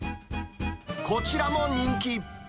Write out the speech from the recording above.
こちらも人気。